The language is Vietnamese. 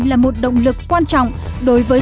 là một động lực quan trọng đối với